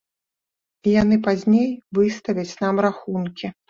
І яны пазней выставяць нам рахункі.